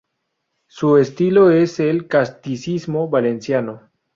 Su estilo es el casticismo valenciano.